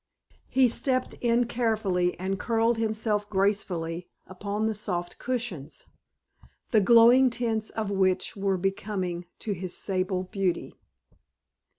He stepped in carefully and curled himself gracefully upon the soft cushions, the glowing tints of which were very becoming to his sable beauty.